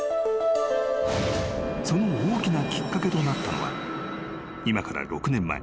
［その大きなきっかけとなったのは今から６年前］